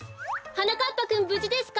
はなかっぱくんぶじですか？